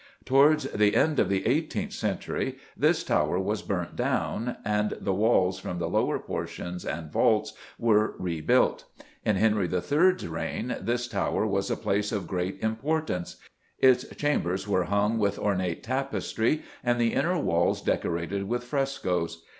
Towards the end of the eighteenth century this tower was burnt down, and the walls, from the lower portions and vaults, were rebuilt. In Henry III.'s reign this tower was a place of great importance; its chambers were hung with ornate tapestry, and the inner walls decorated with frescoes.